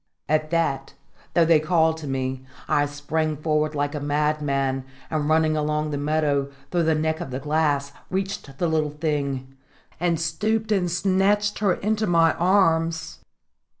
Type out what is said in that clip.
At that, though they called to me, I sprang forward like a madman, and running along the meadow, through the neck of the glass, reached the little thing, and stooped and snatched her into my arms.